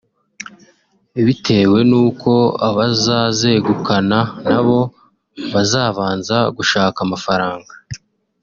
bitewe n’uko abazazegukana nabo bazabanza gushaka amafaranga